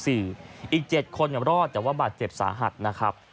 อีก๗คนรอดแต่ว่าบาดเจ็บสาหัสนะครับ